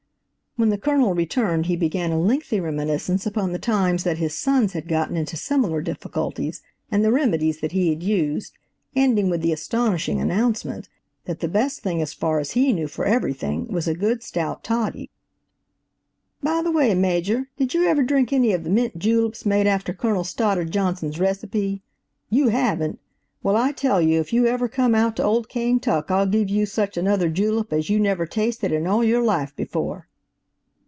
When the Colonel returned he began a lengthy reminiscence upon the times that his sons had gotten into similar difficulties, and the remedies that he had used, ending with the astonishing announcement that the best thing as far as he knew for everything was a good, stout toddy. "By the way, Major, did you ever drink any of the mint juleps made after Colonel Stoddard Johnson's recipe? You haven't! Well, I tell you, if you ever come out to old Kaintuck, I'll give you such another julep as you never tasted in all your life before."